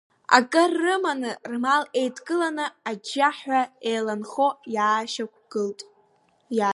Акыр рыманы, рмал еидкыланы, аџьџьаҳәа еиланхо иаашьақәгылт.